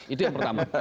itu yang pertama